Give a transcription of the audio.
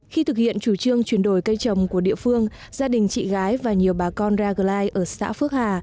khi thực hiện chủ trương chuyển đổi cây trồng của địa phương gia đình chị gái và nhiều bà con ragline ở xã phước hà